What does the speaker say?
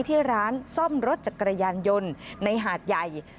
ที่ร้านซ่อมรถจักรยานยนต์ในหาดใหญ่